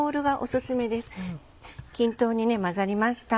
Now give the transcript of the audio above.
均等に混ざりました。